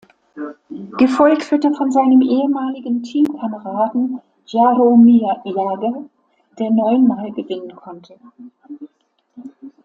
Gefolgt wird er von seinem ehemaligen Teamkameraden Jaromír Jágr, der neunmal gewinnen konnte.